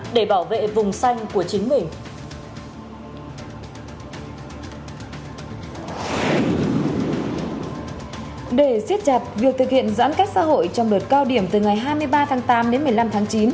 để siết chặt việc thực hiện giãn cách xã hội trong đợt cao điểm từ ngày hai mươi ba tháng tám đến một mươi năm tháng chín